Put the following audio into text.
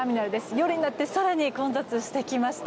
夜になって更に混雑してきました。